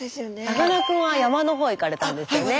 さかなクンは山の方へ行かれたんですよね。